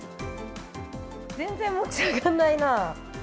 全然持ち上がらないな。